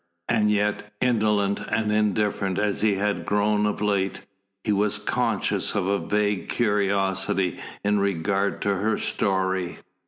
And yet, indolent and indifferent as he had grown of late, he was conscious of a vague curiosity in regard to her story.